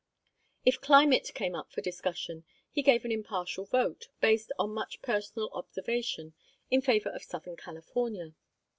If climate came up for discussion, he gave an impartial vote, based on much personal observation, in favour of Southern California.